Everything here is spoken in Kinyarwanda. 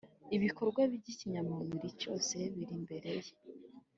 Ibikorwa by’ikinyamubiri cyose biri imbere ye,